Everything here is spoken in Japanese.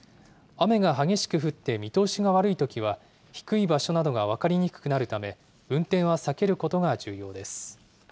雨が激しく降って見通しが悪いときは、低い場所などが分かりにくくなるため、運転は避けることが重要です。